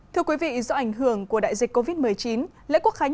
thưa quý vị do ảnh hưởng của đại dịch covid một mươi chín lễ quốc khánh